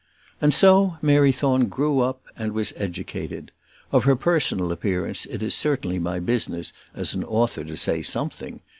And so Mary Thorne grew up and was educated. Of her personal appearance it certainly is my business as an author to say something.